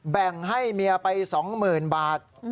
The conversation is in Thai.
แบ่งให้เมียไป๒๐๐๐บาท